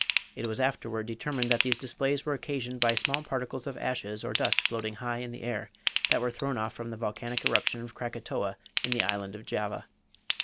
It was afterward determined that these displays were occasioned by small particles of ashes or dust floating high in the air, that were thrown off from the volcanic eruption of Krakatoa in the Island of Java.